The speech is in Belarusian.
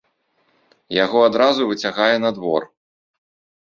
Яго адразу выцягае на двор.